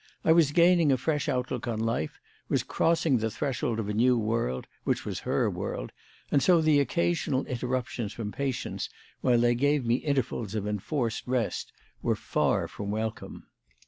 I was gaining a fresh outlook on life, was crossing the threshold of a new world (which was her world); and so the occasional interruptions from patients, while they gave me intervals of enforced rest, were far from welcome.